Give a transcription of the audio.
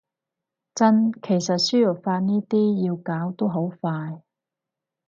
真，其實輸入法呢啲要搞都好快